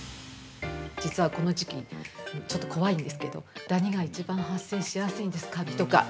◆実は、この時期ちょっと怖いんですけどダニが一番、発生しやすいんですかびとか。